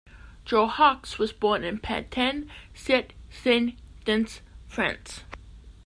Jouhaux was born in Pantin, Seine-Saint-Denis, France.